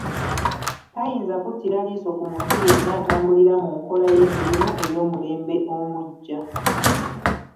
Tayinza kuttira liiso ku muntu yenna atatambulira mu nkola y’emirimu ey’omulembe omuggya